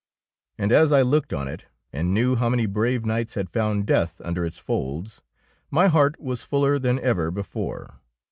'^ And as I looked on it, and knew how many brave knights had found death under its folds, my heart was fuller than ever before.